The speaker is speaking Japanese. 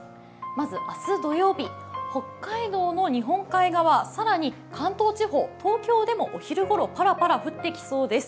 まず明日土曜日、北海道の日本海側更に関東地方、東京でもお昼ごろパラパラ降ってきそうです。